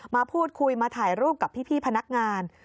มาพูดคุยมาถ่ายรูปกับพี่พนักงาน